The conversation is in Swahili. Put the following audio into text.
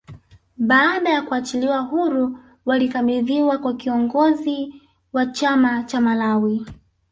Baada ya kuachiliwa huru walikabidhiwa kwa kiongozi wa chama cha Malawi